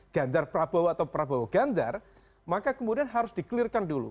ganjar prabowo atau prabowo ganjar maka kemudian harus dikelirkan dulu